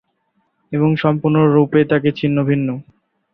এবং সম্পূর্ণরূপে তাকে ছিন্নভিন্ন।